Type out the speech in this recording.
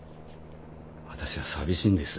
私は寂しいんです。